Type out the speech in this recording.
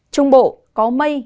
trung bộ có mây